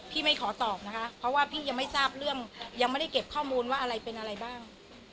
ไม่ขอตอบนะคะเพราะว่าพี่ยังไม่ทราบเรื่องยังไม่ได้เก็บข้อมูลว่าอะไรเป็นอะไรบ้าง